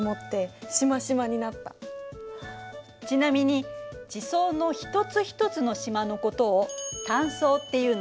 ちなみに地層の一つ一つのしまのことを単層っていうの。